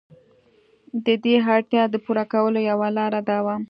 د دې اړتیا د پوره کولو یوه لار دا وه.